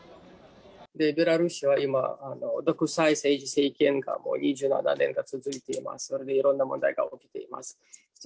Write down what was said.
ベラルーシでは今、独裁政権がもう続いていますので、いろんな問題が起こっています。